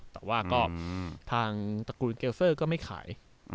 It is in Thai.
แต่ว่าก็ทางตระกูลเกลเซอร์ก็ไม่ขาย